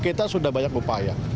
kita sudah banyak upaya